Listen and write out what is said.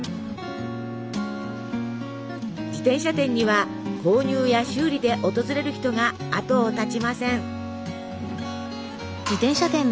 自転車店には購入や修理で訪れる人があとを絶ちません。